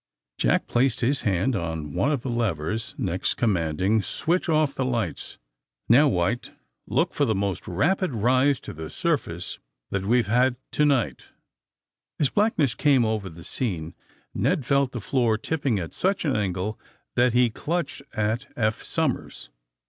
Jack placed his hand on one of the levers, next commanding :'' Switch off the lights. Now, "White, look for the most rapid rush to the surface that we hav€ had to night." As blackness came over the scene Ned felt the floor tipping at such an angle that he clutched at Eph Somers.